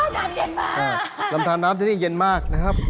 น้ำที่นี่เย็นมาก